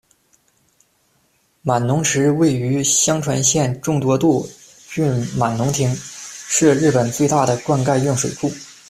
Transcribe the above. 满浓池位于香川县仲多度郡满浓町，是日本最大的灌溉用水库。